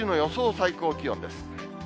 最高気温です。